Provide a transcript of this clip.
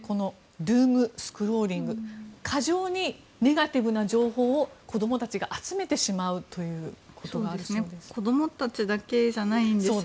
ドゥーム・スクローリング過剰にネガティブな情報を子供たちが集めてしまうということがあるそうです。